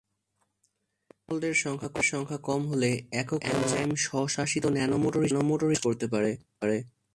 রেনল্ডের সংখ্যা কম হলে, একক অণু এনজাইম স্বশাসিত ন্যানো মোটর হিসেবে কাজ করতে পারে।